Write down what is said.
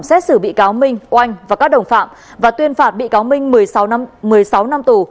xét xử bị cáo minh uanh và các đồng phạm và tuyên phạt bị cáo minh một mươi sáu năm tù